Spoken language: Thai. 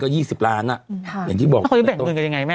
ก็ยี่สิบล้านอ่ะค่ะอย่างที่บอกถ้าเขาจะแบ่งคืนกันยังไงแม่